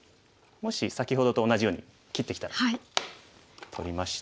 もし先ほどと同じように切ってきたら取りまして。